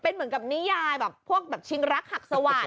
เป็นเหมือนกับนิยายเป็นพวกชิงรักหักสว่า